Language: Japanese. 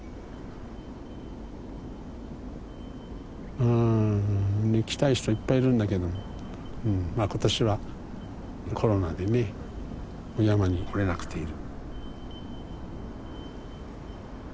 うん来たい人はいっぱいいるんだけども今年はコロナでねお山に来れなくている。